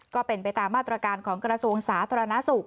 ก็เป็นไปตามมาตรการของกระทรวงสาธารณสุข